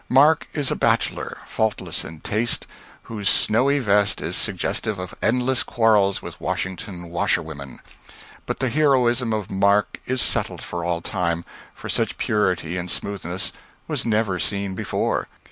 Mark is a bachelor, faultless in taste, whose snowy vest is suggestive of endless quarrels with Washington washerwomen; but the heroism of Mark is settled for all time, for such purity and smoothness were never seen before.